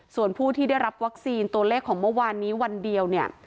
ส่วนผู้ที่ได้รับวัคซีนตัวเลขของเมื่อวานนี้วันเดียวเนี่ย